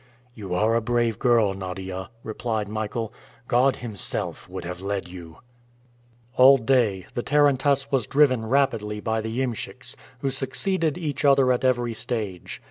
"You are a brave girl, Nadia," replied Michael. "God Himself would have led you." All day the tarantass was driven rapidly by the iemschiks, who succeeded each other at every stage.